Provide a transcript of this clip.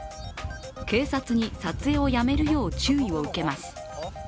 警察に撮影をやめるよう注意を受けます。